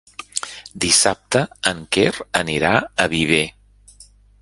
Dissabte en Quer anirà a Viver.